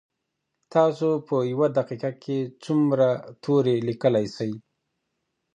تاسو په یوه دقیقه کي څو توري لیکلی سئ؟